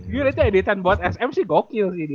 gua berarti editan buat sm sih gokil sih dia